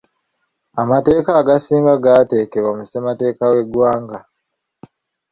Amateeka agasinga g’atekebwa mu ssemateeka w’eggwanga.